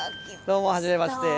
どうもはじめまして。